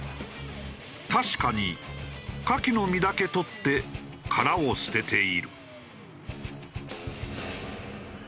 確かにカキの身だけ取って殻を捨てている。